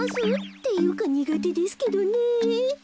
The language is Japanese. っていうかにがてですけどねえ。